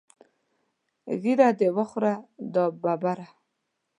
ږیره دې وخوره دا ببره.